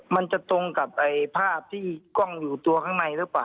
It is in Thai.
มันจะตรงกับภาพที่กล้องอยู่ตัวข้างในหรือเปล่า